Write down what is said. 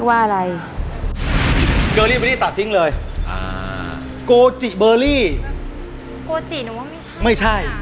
โกจิเบอร์รี่